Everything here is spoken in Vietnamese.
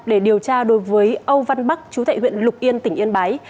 để điều tra đối với âu văn bắc chú tại huyện lục yên tỉnh yên bái